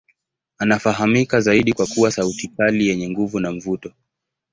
Anafahamika zaidi kwa kuwa sauti kali yenye nguvu na mvuto.